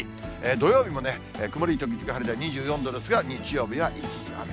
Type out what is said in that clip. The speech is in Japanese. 土曜日も曇り時々晴れで２４度ですが、日曜日は一時雨。